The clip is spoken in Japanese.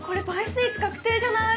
スイーツ確定じゃない？